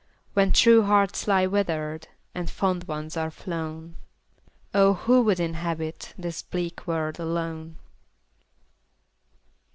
When true hearts lie wither'd, And fond ones are flown, Oh ! who would inhabit This bleak world alone